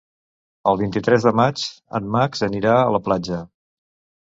El vint-i-tres de maig en Max anirà a la platja.